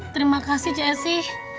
terima kasih cesi